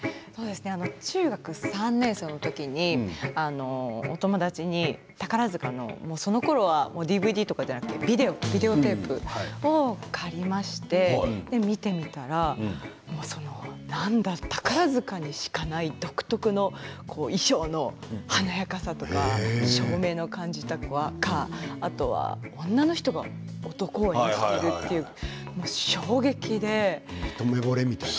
中学３年生の時にお友達に宝塚のそのころはＤＶＤとかではなくてビデオテープを借りまして見てみたら宝塚にしかない独特の衣装の華やかさとか照明の感じとかあとは女の人が一目ぼれみたいな？